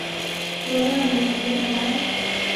বলো না বুঝিয়ে আমায়?